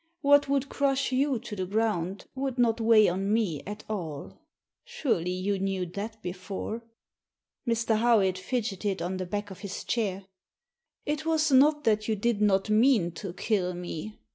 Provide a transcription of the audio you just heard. What would crush you to the ground would not weigh on me at all. Surely you knew that before." Mr. Howitt fidgeted on the back of his chair. " It was not that you did not mean to kill me.